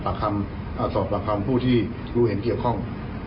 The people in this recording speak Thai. รีบติดตามสอบพยานประคำผู้ที่รู้เห็นเกี่ยวข้อง